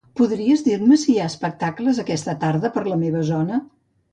Podries dir-me si hi ha espectacles aquesta tarda per la meva zona?